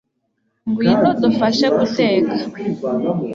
ngwino udufashe guteka